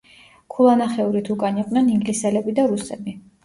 ქულანახევრით უკან იყვნენ ინგლისელები და რუსები.